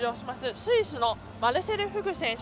スイスのマルセル・フグ選手